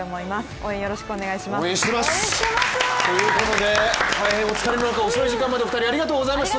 応援してます！ということで、大変お疲れな中遅い時間までお二人ありがとうございました。